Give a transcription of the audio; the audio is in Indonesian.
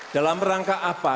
dalam rangka apa